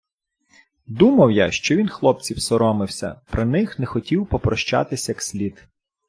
Думав я, що він хлопців соромився, при них не хотів попрощатись як слід.